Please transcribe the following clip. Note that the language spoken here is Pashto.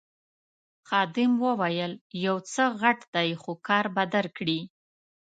خادم وویل یو څه غټ دی خو کار به درکړي.